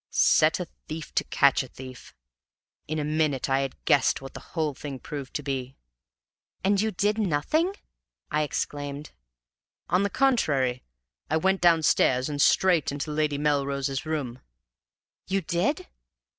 Set a thief to catch a thief: in a minute I had guessed what the whole thing proved to be." "And you did nothing!" I exclaimed. "On the contrary, I went downstairs and straight into Lady Melrose's room " "You did?"